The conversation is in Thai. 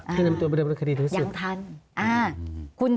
คือนำตัวมาดำเนินคดีถึงที่สุด